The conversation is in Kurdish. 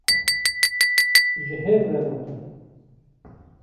ji hev re gotin